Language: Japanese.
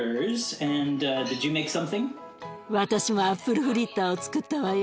私もアップルフリッターをつくったわよ。